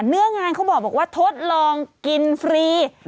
เนื้องานเขาบอกว่าทดลองกินฟรี